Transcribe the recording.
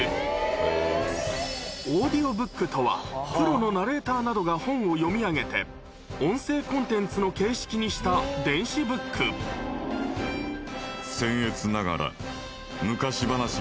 オーディオブックとはプロのナレーターなどが本を読み上げて音声コンテンツの形式にした電子ブックやめろ